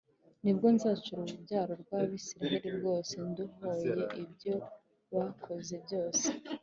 , ni bwo nzaca urubyaro rwa Isiraheli rwose nduhoye ibyo bakoze byose